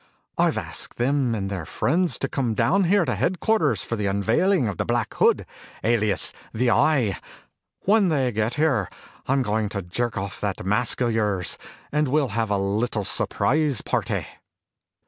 I've asked them and their friends to come down here to headquarters for the unveiling of Black Hood, alias the Eye. When they get here, I'm going to jerk off that mask of yours and we'll all have a little surprise party."